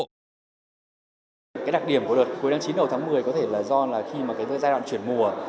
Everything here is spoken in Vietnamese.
cái đặc điểm của đợt cuối tháng chín đầu tháng một mươi có thể là do là khi mà cái giai đoạn chuyển mùa